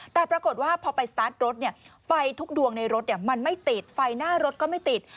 แต่ปรากฏว่าพอไปสตาร์ทรถไฟทุกดวงในรถมันไม่ติดไฟหน้ารถก็ไม่ติด